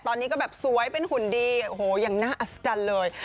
ตอนนี้ก็แบบสวยเป็นหุ่นดีโอ้โหอย่างน่าอัศจรรย์เลย